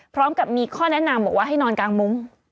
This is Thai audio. พร้อมกับมีข้อแนะนำบอกว่าให้นอนกลางมุ้ง